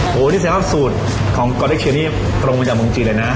โหนี้สัญลักษณ์สูตรของกใบคันนี้ตรงไว้จากเมืองจีนเลยนะ